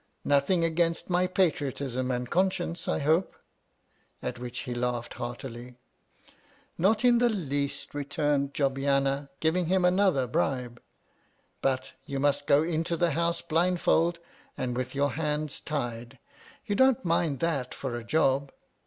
Nothing against my patriotism and conscience, I hope ] (at which he laughed heartily). Not in the least, returned Jobbiana, giving him another bribe. But, you must go into the House blindfold and with your hands tied ; you don't mind that for a job